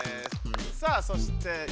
さあそして「い」。